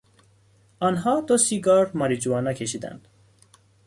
آنها دو سیگار ماریجوانا کشیدند.